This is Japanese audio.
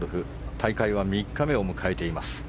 大会は３日目を迎えています。